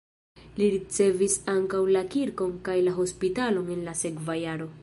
Li ricevis ankaŭ la kirkon kaj la hospitalon en la sekva jaro.